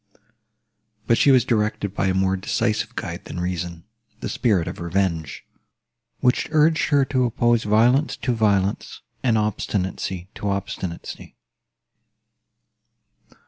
But she was directed by a more decisive guide than reason—the spirit of revenge, which urged her to oppose violence to violence, and obstinacy to obstinacy.